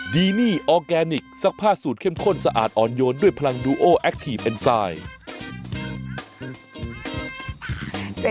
ดีนี่ออร์แกนิคซักผ้าสูตรเข้มข้นสะอาดอ่อนโยนด้วยพลังดูโอแอคทีฟเอ็นไซด์